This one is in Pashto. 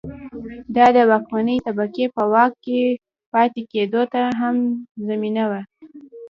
دا د واکمنې طبقې په واک کې پاتې کېدو ته هم زمینه وه.